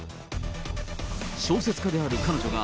小説家である彼女が、